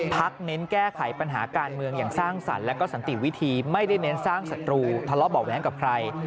เน้นแก้ไขปัญหาการเมืองอย่างสร้างสรรค์และก็สันติวิธีไม่ได้เน้นสร้างศัตรูทะเลาะเบาะแว้งกับใคร